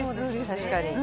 確かに。